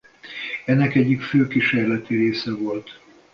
Ennek egyik fő kísérleti része volt.